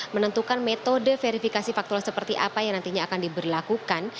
menentukan metode verifikasi faktual seperti apa yang nantinya akan diberlakukan